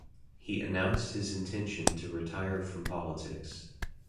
He announced his intention to retire from politics.